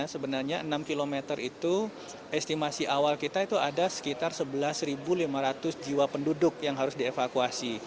sebenarnya enam km itu estimasi awal kita itu ada sekitar sebelas lima ratus jiwa penduduk yang harus dievakuasi